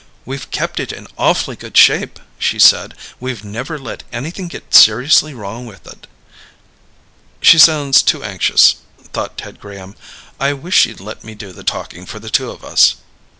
"We've kept it in awfully good shape," she said. "We've never let anything get seriously wrong with it." She sounds too anxious, thought Ted Graham. _I wish she'd let me do the talking for the two of us.